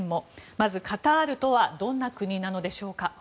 まずカタールとはどんな国なのでしょうか。